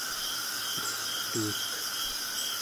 egtuuk